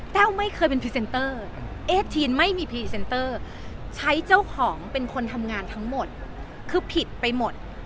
ไม่เคยเป็นพรีเซนเตอร์เอสทีนไม่มีพรีเซนเตอร์ใช้เจ้าของเป็นคนทำงานทั้งหมดคือผิดไปหมด